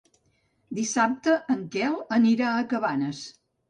Dissabte en Quel anirà a Cabanes.